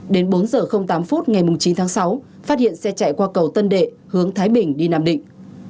đến bốn h tám phút ngày chín tháng sáu phát hiện xe chạy qua cầu tân đệ hướng thái bình đi nam định